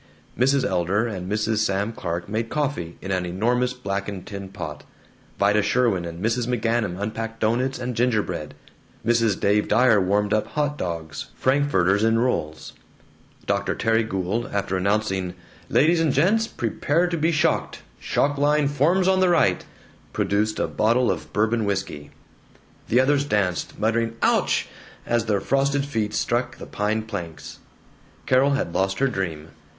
Mrs. Elder and Mrs. Sam Clark made coffee in an enormous blackened tin pot; Vida Sherwin and Mrs. McGanum unpacked doughnuts and gingerbread; Mrs. Dave Dyer warmed up "hot dogs" frankfurters in rolls; Dr. Terry Gould, after announcing, "Ladies and gents, prepare to be shocked; shock line forms on the right," produced a bottle of bourbon whisky. The others danced, muttering "Ouch!" as their frosted feet struck the pine planks. Carol had lost her dream.